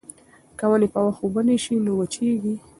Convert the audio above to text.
که ونې په وخت اوبه نه شي نو وچېږي.